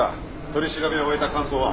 取り調べを終えた感想は。